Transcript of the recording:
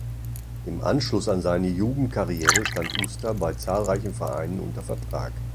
Im Anschluss an seine Jugendkarriere stand Uster bei zahlreichen Vereinen unter Vertrag.